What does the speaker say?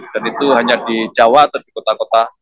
dan itu hanya di jawa atau di kota kota